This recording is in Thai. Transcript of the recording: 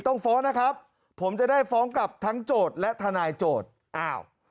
ต้องฟ้องนะครับผมจะได้ฟ้องกลับทั้งโจทย์และทนายโจทย์อ้าว